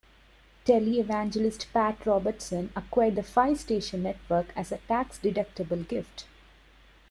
Televangelist Pat Robertson acquired the five-station network as a tax-deductible gift.